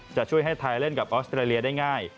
จะช่วยให้ไทยเล่นกับออสเตรเลียได้ง่าย